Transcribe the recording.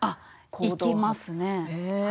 行きますね。